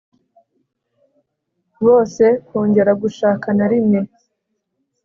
bose kongera gushaka na rimwe